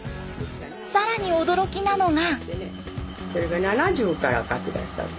更に驚きなのが。